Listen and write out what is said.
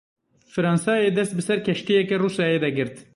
Fransayê dest bi ser keştiyeke Rûsyayê de girt.